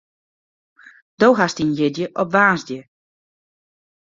Do hast dyn jierdei op woansdei.